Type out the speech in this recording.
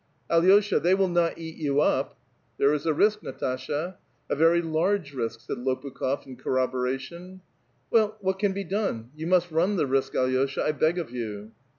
'• Alosha, tliey will not eat you up !"'* There is a risk, Natasha !"" A very hii*ge risk," said Ix>pukh6f in corroboration. ^* Well, what can be done? you must run the risk, A16sha, I beg of you."